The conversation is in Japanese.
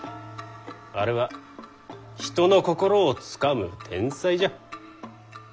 あれは人の心をつかむ天才じゃ。